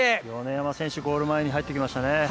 米山選手、ゴール前入ってきましたね。